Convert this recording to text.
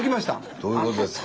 どういうことですか。